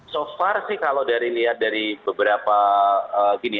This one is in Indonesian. so far sih kalau dari lihat dari beberapa gini